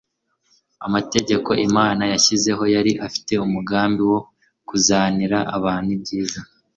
Amategeko Imana yashyizeho yari afite umugambi wo kuzanira abantu ibyiza.